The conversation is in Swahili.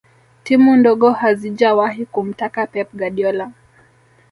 timu ndogo hazijawahi kumtaka pep guardiola